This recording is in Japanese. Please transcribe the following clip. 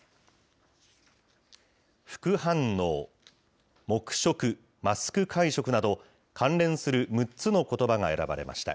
副反応、黙食／マスク会食など、関連する６つのことばが選ばれました。